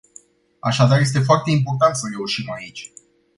Așadar este foarte important să reușim aici.